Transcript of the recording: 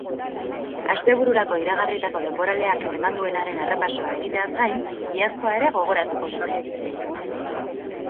Astebururako iragarritako denboraleak eman duenaren errepasoa egiteaz gain, iazkoa ere gogoratuko dute.